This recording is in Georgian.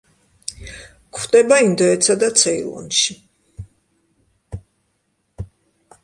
გვხვდება ინდოეთსა და ცეილონში.